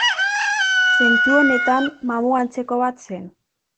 Zentzu honetan, mamu antzeko bat zen.